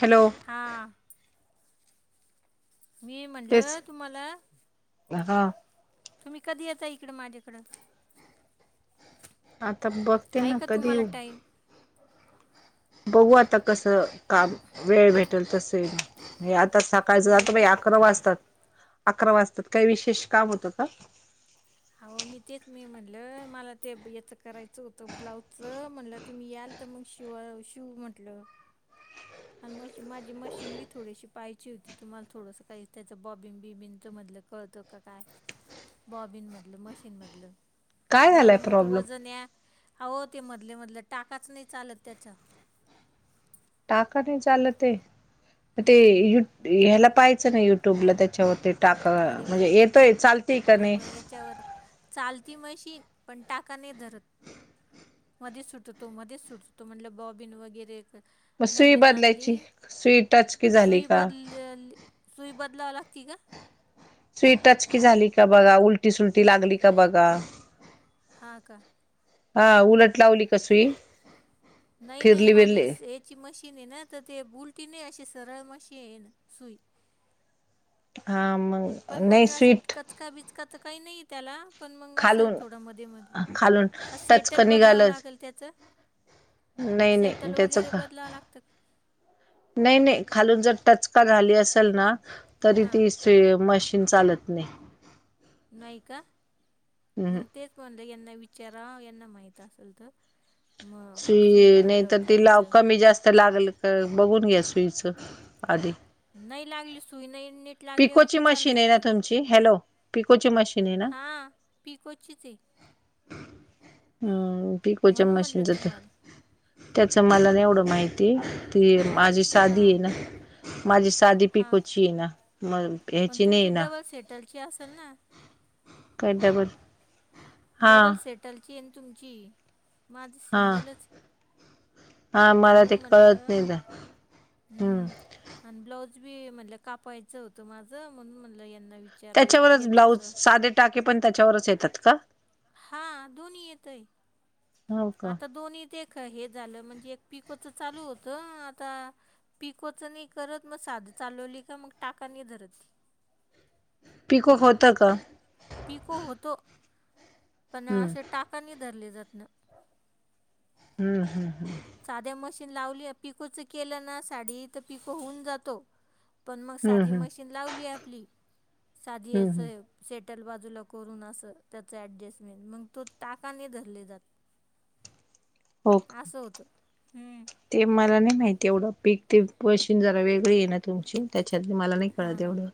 Hello हा मी म्हटलं तेच तुम्हाला हा तुम्ही कधी यता इकडे माझ्याकडें? आता बघते आहे ना. का कधी तुम्हाला येऊ? टाईम बघू आता कसं काम वेळ भेटेल तसं आता सा काळच याल का आता अकरा वाजताात अकरा वाजतात. काही विशेष काम होतं का? हो मी तेच मी म्हणलं मला ते याचं करायचं होतं ब्लाउजचं म्हणटलं तुम्ही याल आता मग शिव शिव म्हटलं. आणि मशी माझी मशीन बी थोडीशी पाहियची होती तुम्हाला थोडंसं काही त्याचं बॉबिन बीबीचंधलं कळतो का काय बॉबीन मधलं मशीन मधलं. काय झालाय एवढं मोठं प्रॉब्लेम वजन आहे अ हो ते मधले मधले टाकाच नाही चालत त्याच्या. टाका नाही चालं ते ते हम्म यु ह्याला पाहाचं ना युट्यूबला त्याच्यावरती टाका अरे फो म्हणजे येतोय चालतय का नाही. [unintelligible] चालती मशीन पण टाका नाही धरत. मध्ये सुटतो मध्येच सुटतो म्हण बॉबीन वगैरे मग सुई नवीन आणली बदलायची सुई टचकी झाली सुई का बदल सुई बदलाव लाग क का? स्वीट टच की झाली का बघा? उलटी सुलटी लागली का बघा? हा का हा उलट लावली का सुई नाही नाही फिरली माझी बिरले स- याची मशीन येना आ ते बुल्टीन अशी सरळ मशीन येना सई हा मग पण मग नाही स्वीट शिटकचका बिचकाच काही नाही त्याला पण मंग अस खालून थोडं मध्ये मध्ये खालून का टचक सेटल बदलावं निघालं लागेल त्याच? नाही नाही सेटल त्याच वगैरे का बदलावं लागत नाही नाही खालून जर टच का झाली असेल ना तरी हां ती स् मशीन चालत नाही. नाही का हम्म मग तेच म्हणत यांना विचारा यांना माहित असल तर मग ती नाही सुईमधलं तर का ती लाव याच्या कमी जास्त लागल बघून घ्या स्ईच आधी नाही लागली सुई नाही नीट लागलीवर पिकोची प मशीन आहे चालतात ना नाही ग तुमची हॅलो पिकोची मशीन हा पीकोचीच हं पिकोच्या म्हणून म्हटलं मशीनचं होतं. तुम्हाला त्याच मला नाही एवढं माहिती ती माझी साधी हां आहे ना. माझी साधी हां का पिकोची आहे ना म पण ह्याची नाही तुमची ना. डबल सेटलची असेल ना [unintelligible] हा डबल सेटल चेन तुमची माझ हा सिंगलच. हा मला ते म्हणून म्हणलं कळत नाही ना हम्म आन ब्लाऊज बी म्हणलं कापायचं होतं माझं म्हणून म्हणल यांना वि त्याच्यावरच ब्लाऊज साधे टाके पण त्याच्यावरच येतात का? हा दोन्ही येतंय. हो का आता दोन्हीत एक हे झालं म्हणजे एक पिकोच चालू होतं आता पिकोचं नाही करत मग साध चालवली का मग टाका नाही धरत. पिको होत का? पिको होतो. पण हम्म असे टाका नाही धरले जात ना. हम्म हम् हम् साध्या मशीन लावलीये पिकोच केलं ना साडी तरं पिको होऊन जातो. पण मग हम्म साधी हम्म मशीन लावली आपली साधी हम्म हम्म याचं सेटल बाजूला करून असं. त्याचं ऍडजेस्ट मेंट. मंग तो टाका नाही धरले हो जातं. का असं होतं. हम्म. ते मला नाही माहिती एवढं. पीक, ते मशीन जरा वेगळीय ना तुमची. त्याच्यातल, मला नाही कळत हा. एवढं.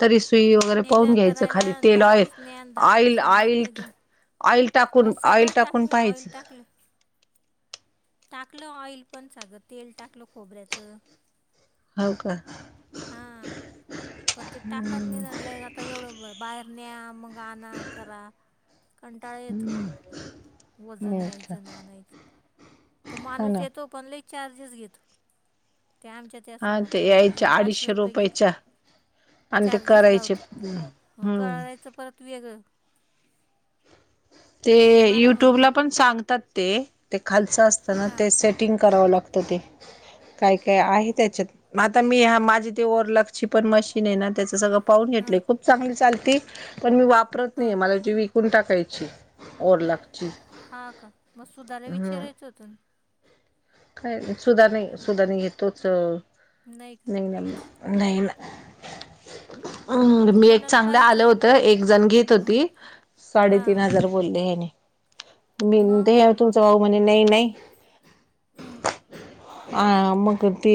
तरी सुई वगैरे न्यायला पाहून घ्यायचं करायला खाली. तेल ऑइ- दहावेस न्या आणि ऑइल- दहावेस आणा ऑइल नाही ज ऑइल अहो टाकून, ऑइल सगळं टाक टाकून ऑइल पाहायचं. टाकलं टाकलं ऑइल पण [unintelligible] तेल टाकलं खोबऱ्याचं. हो, का? हा, पण ते टाकाच [unintelligible] आता एवढं ब -बाहेर न्या. मग आणा. करा. कंटाळा येतो. वज हम्म का न्यायचं न आणायचं. तो हा माणूस ना येतो पण लय चार्जेस घेतो. त्या आमच्यात त्या हा ते समोरच्या यायच्या बाईजून, पाचशे अडीचशे रुपये घेतले. रुपयाच्या आणि ते चार्जेस करायचे लावतो. करायचे. हं. हम्म कळायचं परत वेगळं. ते ती मला म्हणली युट्यूबला पण सांगतात ते. ते खालचं असत ना, ते हां सेट टिंग करावं लागतं, ते. काय- काय आहे त्याच्यात. म आता मी हा माझी ते ओरलॉकची पण मशीन आहे ना, त्याच सगळं पाहून घेतले. हां खूप चांगली चालती. पण मी वापरत हां नाहीे. मला ती विकून टाकायची. ओरलॉ हा, का? मग सुधाला विचारायचं होत, न. काय, सुधा नाही, सुधा नाही घेत. तोच, नाही ना - नाही ना. हम. मग मी एक कोणाला चांगलं, आलं पाहायचं होत. एक जण घेत हं. होती. साडेतीन हां हजार बोल्ले ह्यनी. मी मग [unintelligible] तुमचा भाऊ म्हने, नाही - नाही हं. अ मग ती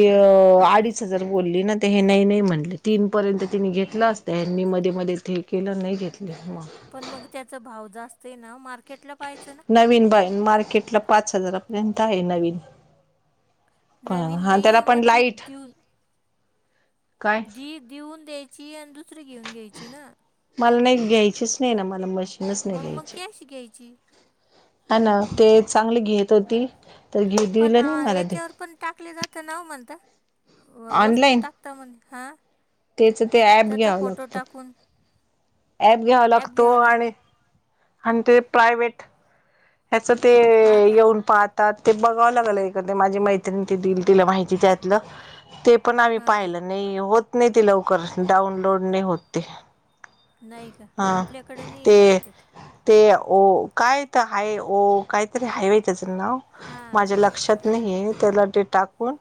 अडीच- हजार बोलली ना. ते हे नाही - नाही म्हणले. तीन पर्यंत तिने घेतलं असत. त्यांनी मध्ये - मध्येच ते केलं. नाही घेतली, मग. पण मग त्याचा भाव जास्तय ना. मार्केटला पाहायचं ना. नवीन बाई, मार्केटला पाच हजारापर्यंत आहे, नवीन. नवीन पहा. त्याला नाही मग पण ती लाईट देऊन काय दी- दिऊन द्यायची, अन् दुसरी घेऊन घ्यायची ना. मला नाही, घ्यायचीच नाही ना, मला. मशी मग- मग कॅश घ्यायची. हा, ना. ते चांगली घेत होती, तर घे पण दिलं नाही आ, मला ते. याच्यावर पण टाकले जात ना म्हणत. हो वस्तू ऑनलाईन टाकता म्हण, हा. त्याच ते ॲप घ्यावं लागतो. ॲप घ्यावा लागतो. घ्यावा आणि लागतं आन ते प्रा त्याच ते हा का येऊन पाहात तात. ते बघावं लागलं. एखादी माझी मैत्रिण ती दिल. तिला माहिती त्यातलं. ते पण आम्ही हां पाहिलं. नाही होत नाही ते लवकर. डाऊनलोड नाही होत ते. नाही ग. हा आपल्याकड नाहीये वाटत ते. ते ओ, काय त हाय ओ, काय काहीतरी हाय वाटतं. त्याच नाव. हां माझ्या लक्षात नाहिये. त्याला ते टाकून.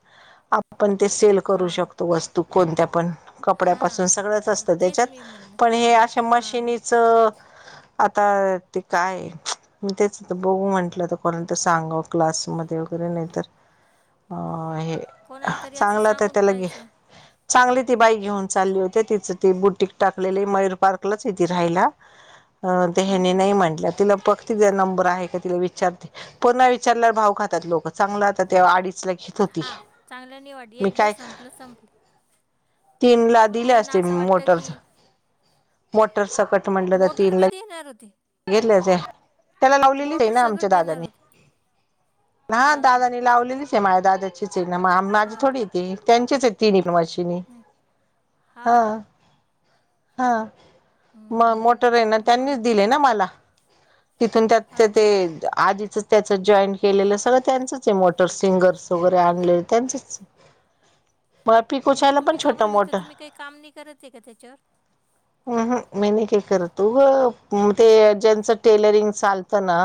आप आपण ते सेल करू हां शकतो, वस्तू, कोणत्या पण. कपड्यापासून हां सगळंच असतं तेच त्याच्यात. मी म्हणलं. हं. मशीनीच आता ते काय, [unintelligible] तेच त बघू म्हंटलं कोणाला तर सांगावं. क्लासमध्ये वगैरे. नाहीतर. अ हे ह. कोणाला तरी असं चांगलं त सांगून त्याला घे पाहायचं चांगली ती, बाई घेऊन चालली होते. तिचं ती, बुटीक टाकलेलय. मयूर पार्कलाचय ती राहायला. अ, ते हं, ह्यानी हं, नाही हं. म्हटलं, तिन बगते. तिचा नंबर आहे का? तिला विचारते. पुन्हा विचारल्यावर भाव खातात लोक चांगलाात ते अडीचला घे. हा चांगल् निवड वाट एकदा संपलं संपलं. तीन ला मग दिली त्यांना असते असं वाटतं मोटरचं. की मटर सकट म्हटलं तर तीनला. तती घे ना र हो ती. गेेतले ते. त्याला लावलेलीच आहे ना, आमच्या सगळं देणार दादानी होते अ हा दादानी लावलेली. ते माझ्या दादाचीच आहे ना, मा माझी हा का थोडी आहे. त्यांचेच ती पण क वचं तिने नाही हा का हाअ हा. म हं. मोटर आहे ना मग त्यांनीच काय दिले, ना मला. तिथून त्यात हा ते, का आजीच त्याच जॉईंट केलेलं सगळं त्यांचंच आहे, मोटर सिंगर्स वगैरे आणलेले त्यांचच. मग तुम्ही का छोट बर, इथं मोठं तुम्ही काही काम नाय करत आहे का? त्याच्यावर. अहम् ह मी नाही, काय करत तू उ ग ते ज्यांचं टेलरिंग चालतं ना.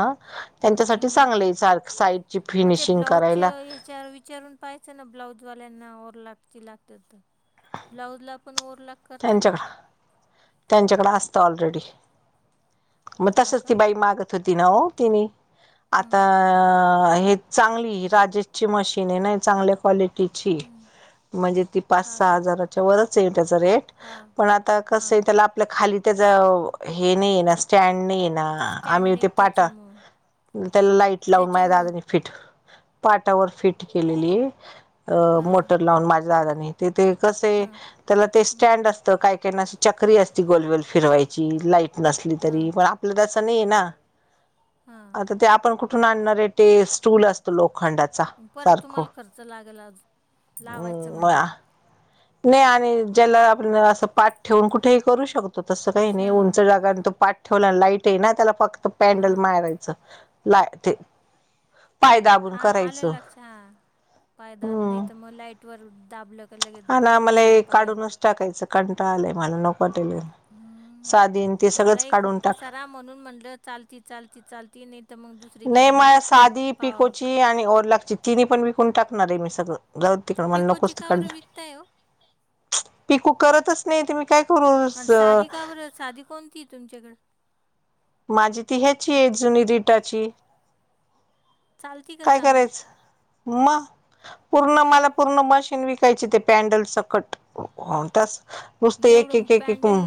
त्यांच्यासाठी हं, हं. चासांगलंय सा सारख सा साईडची फिनिशिंग करायला. च्या विचारून. पायच ना, ब्लाउज वाल्याना और लागतीलत ब्लाउजला पण और लाग. त्यांच्याक त्यांच्याकड असत ऑलरेडी. मग हा तसच का ती बाई मागत होती ना ओ तिने आता हं, हे. चांगली राजेश ची मशीन नाही चांगल्या कवालिटी. तिची हं. म्हणजे ती पाच हा सहा का हजाराच्या वरच येट हजर. हां पण आता कस हां आहे त्याला आपल्या खाली त्याच हे नाही ये नत च्टॅड नाही ना स्टँड आम्ही ते नाही पाठ त्याच्यामुळं त्याला लाईट लावून माया त्याच्यामुळं दादानी फिट पाटावर फिट केलेली अ हां मोटर लावून माझ्या दादानी. तती थे कसंअय हां त्याला ते हां स्टँड असतं काय काय ना काही ना चक्री असती गोलबोल फिरवायची. ची हां तरी पण, आपल्या नाहये हां ना आता हां ते आपण कुठ तू न आणणारे ते स्टूल असतो लोखंडात परत तुम्हाला खर्च लागलाचं, लावायचं म्हणझें. नाही आणि ज्याला आपण, असं पाठ ठेवून कुठेही करू शकतो तसं काही श नाही उंच जागा आणि तो पाठ. ठेवल्या लाईट आहे ना त्याला फक्त पॅन्डल हां मारायचं लाये ते पाय दाबून हा आलं करायचं लक्ष हा पायदा नाही हम्म तर मग लाईट वर दाबलं. का लगे हा ना मला खालीूनून हे पायन काढूनच टाकायचं कंटाळ आलाय मला नकोटेल हम्म. साधीन ते सगळंच मलाही खूप काढून टाक. पसारा म्हणून म्हटलं ल चाल चाल नाही तर मगु नाही म साधी पिकोची आणि ओरलागची तिनपण विकून टाकणार आहे मी सगळं. जाऊ तिकां म्हणून पिकोची कोसं ती का कं न ट मला बरं विकताय हो नकोच तिकू करतच नाही त मी काय करू? अन स साधी का बरबर साधी कोणती तुमच्याकड. माझी ती ह्याची आहे जुनी रिटाची. चालती का काय चांगली करायच म. पूर्ण मला पूर्ण मशीन विकायची ते पॅनडल सकट. होणतास नुसते एक एवढं एक एक एक पॅन्डल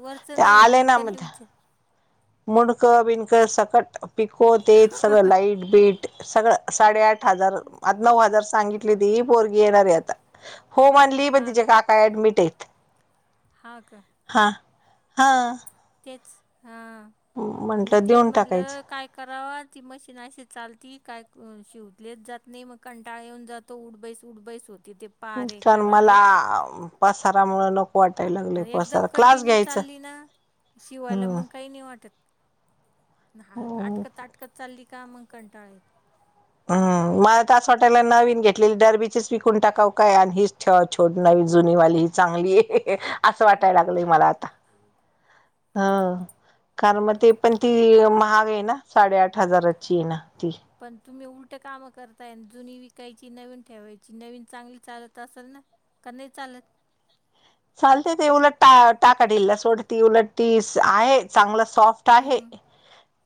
वरचं ते नाही आले ना मुंडकं नाही मज विचार मुडक बिणक सकट पिको तेच सगळ लाईट बीट सगळं साडेआठ. आठ हजार आ नऊ हजार सांगितली ती बोरगी येणारे आता होम आणली पण हा तिच्या का काका ऍडमिट आहेत. हा का हां हां. तेच हा मी तेच देऊन म्हटलं. टाकायचं काय करावा ती मशीनशी चाल त काय शिवलीच जात नाही मग कंटाळ येऊन जात. त उडबईस उडबैस होती ते पारे कारण मला करारे पसारामुळे नक वाटायला लागलंय आणि एकदम पसारा क्लास कंटिन्यू घ्यायचं चालली ना शिवायला हम्म! मग काही नाही वाटत ना हम्म आटकत आटकत चालली का मग कंटाळा येतो. हम मला तर आस वाटायलय नवीन घेतलेली डरबीचेस विकून टाकाव काय आणि हीच छ छोड नवी जुनी वाली ही चांगली आहे. असं वाटायला अकरा अकरा हं कारण मग ते पण ती महाग आहे ना साडेआठ हजाराची आहे ना ती. पण तुम्ही उलट कामं करताय जुनी विकायची नवीन ठेवायची नवीन चांगली चालत असाल ना. का नाही चालत? चालते ते उलट टाका ढिला सोडती उलट ती आहे चांगलंच सॉफ्ट आहे हम्म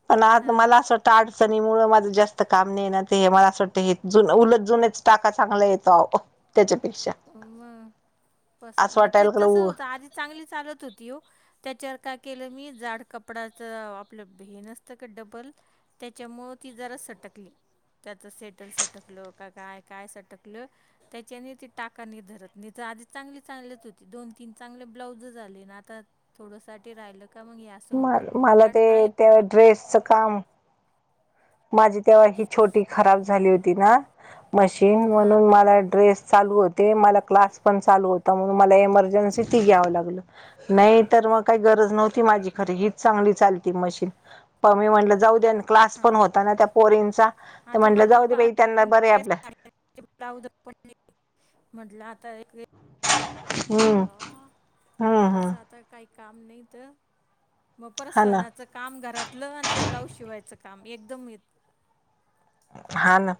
पण आता हां मला असं वाट त अडचणी मुळ माझं जास्त काम नाय ना ते मला असं वाटतंय हे जुनंच उलट जुनच टाका चांगला येतो अहो. त्याच्यापेक्षा मग बसा असं मग वाट ते तसंच होतं आधी चांगली चालत होती ओ त्याच्यावर काय केलं मी जाड कपडाच आपलं बे नसतं का डबल त्याच्यामुळं ती जरा सटकली. त्याचं सेटल सटकलं का काय काय सटकलं त्याच्याने ति टाका नीट धरत नाही तर आधी चांगली चालत होती दोन तीन चांगले ब्लाउज झालेन आता थोडं साठी राहिलं का मग या म मला ते त्या ड्रेसचं काम माझी तेव्हा ही छोटी खराब झाली होती ना. मशीन हा म्हणून मला ड्रेस चालू होते मला क्लास पण चालू होता म्हणून मला एमर्जन्सी ती घ्यावं लागल नाही तर मग काही गरज नव्हती माझी खर हीच चांगली चालती मशीन, पण मी म्हटलं जाऊ द्या हा पण होता ना त्या पोरींचा ते आता म्हटलं माझे जाऊ दे पा बाई त्यांना बरे सगळ्या आपल. साड्यांचे म्हटलं आता एक वेळ एक एक हम्म ब्ला हम्म हम्म जरासं आता काही काम नाही तर मग हा ना परसानाचं काम घरातलं आणि ते ब्लाऊज शिवायचं काम एकदम येत. हा ना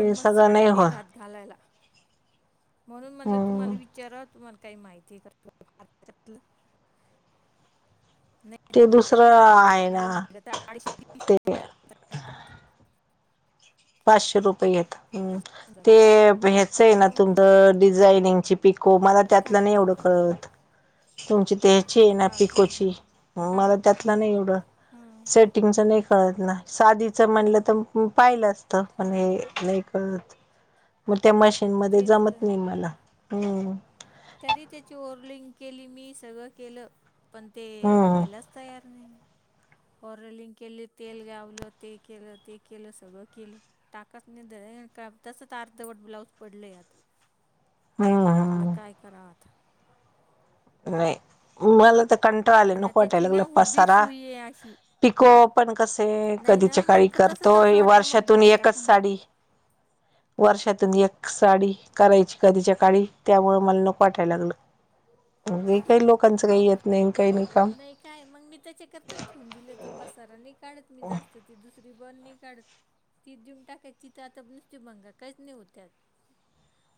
आणि मग सगळं नाही साड्याने होत. रात घालायला म्हणून म्हटलं तुम्हाला हम्म विचाराव. तुम्हाला काही माहिती आहे का? नाय ते दुसरं आहे या अडीचशे ते तीनशे पाचशे रुपयेत असं होऊन ते जातं. ह्याच आहे आणि ना मग तुमचं डिझाईनिंगची पिकोपो मला त्यातल काय एवढं नाही कळत तुमची ते चेन आहे हा का पिकोची हा मला त्यातला नाही एवढं हा सेट टिंगच नाही कळत ना साधच म्हटलं तर पाहिलं असत. हा पण हे लाईक मग त्या मशीन मध्ये तेच जमत तर नाही मला हम्म. तरी त्याची ओरलिंग केली मी सगळं केलं पण ते हम्म व्हायलाच तयार नाही. ऑरलिंग केली तेल गावलं ते केलं ते केलं सगळं केलं. टाकाच नाही धरत तसाच अर्धवट ब्लाउज पडलय आता. हा! म्हणलं काय कराव आता? होय, मला तर कंटाळा आलय आणि नको त्याची वाटायला ना लागलय उभी पसारा. सुई आहे अशी पिको पण कसंय नाही ना कधीच्याकाळी मग तसंच करतो असं वाटतं मग वर्षातून बाहेर एकच टाकून द्या. साडी. [inaudible] वर्षातून एक साडी करायची कधीच्या काळी त्यामुळ मला नको वाटायला लागलं. हे काही लोकांचं काही येत नाही काही नाही काम. काय मग मी त्याच्याकरता ठेवून दिलं ती पसारा नाही काढत मी जास्त ती दुसरी भरणी नाही काढत. ती देऊन टाकायची तर आता नुसती भंगार काहीच नाही होत त्यात.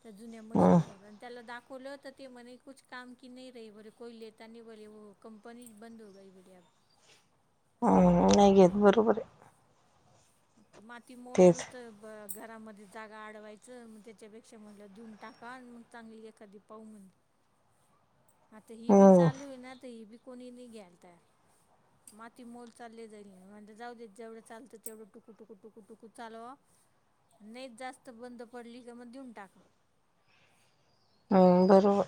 त्या जुन्या हम्म मशीनवर आणि त्याला दाखवलं होत ते म्हणे कुछ काम की नाही रही बोले कोई ता नाही बोले व कंपनी बंद हो गई बोले अब हम्म नाही घ येत बरोबर आहे माती मोोल तेच नुसत ब घरामध्ये जागा अडवायचं मग त्याच्यापेक्षा मधला धुऊन टाका मग चांगली एखादी पाह म्हण. आता ही बी हम्म चालू आहे ना तर ही बी कोणी नाही घ्याल तयार माती मोल चालले जाईल म्हणजे जाऊ देत जेवढं चालतं तेवढं टुकू टुकू टुकू टुकू चालव नाही जास्त बंद पडली का मग देऊन टाका बरोबर